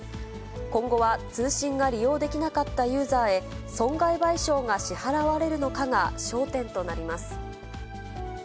今後は、通信が利用できなかったユーザーへ、損害賠償が支払われるのかが焦点となります。